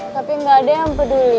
tapi nggak ada yang peduli